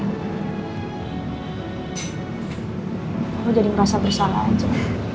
aku jadi ngerasa bersalah aja